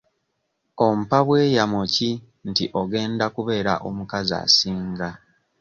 Ompa bweyamo ki nti ogenda kubeera omukazi asinga?